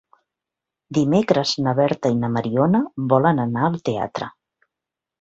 Dimecres na Berta i na Mariona volen anar al teatre.